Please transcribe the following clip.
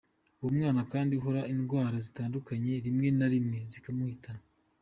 Uwo mwana kandi ahorana indwara zitandukanye rimwe na rimwe zikanamuhitana”.